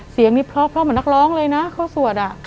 เสียงนี้เพราะเหมือนนักร้องเลยนะเขาสวด